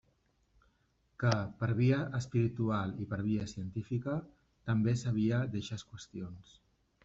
Que, per via espiritual i per via científica, també sabia d'eixes qüestions.